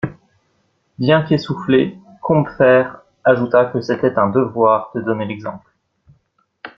Bien qu'essoufflé, Combeferre ajouta que c'était un devoir de donner l'exemple.